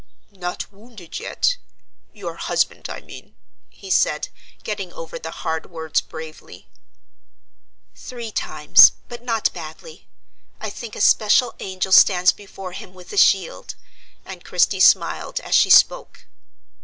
"Not wounded yet? your husband, I mean," he said, getting over the hard words bravely. "Three times, but not badly. I think a special angel stands before him with a shield;" and Christie smiled as she spoke.